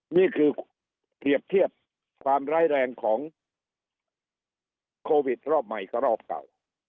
นี่คือเปรียบเทียบความร้ายแรงของโควิดรอบใหม่กับรอบเก่า